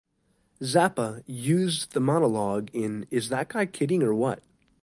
Zappa used the monologue in Is That Guy Kidding or What?